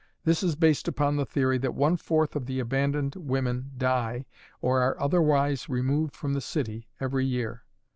This is based upon the theory that one fourth of the abandoned women die or are otherwise removed from the city every year.